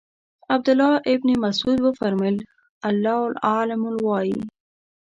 عبدالله ابن مسعود وفرمایل الله اعلم وایئ.